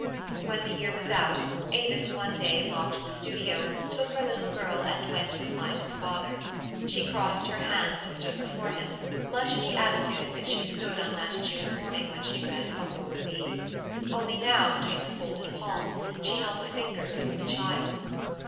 When the year was out, Avis one day locked the studio, took her little girl, and went to find her father. She crossed her hands, and stood before him, much in the attitude in which she stood on that June morn ing when she read ''Aurora Leigh." Only now be tween her folded palms she held the fingers of the child.